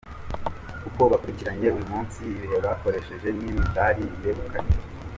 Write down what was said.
Uko bakurikiranye uyu munsi, ibihe bakoresheje n’imidari begukanye.